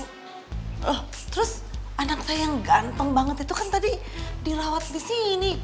terus anak saya yang gampang banget itu kan tadi dirawat di sini